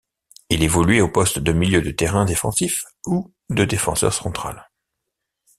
Il évoluait au poste de milieu de terrain défensif ou de défenseur central.